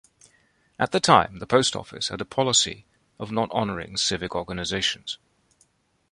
At the time the Post Office had a policy of not honoring civic organizations.